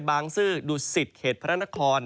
บางซื่อดุศิษฐพระนคร